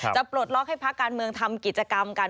ปลดล็อกให้พักการเมืองทำกิจกรรมกัน